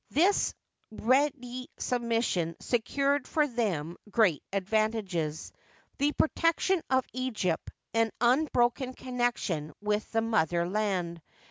This ready submission secured for them great advantages — the protection of Egypt and unbroken connection with the mother land.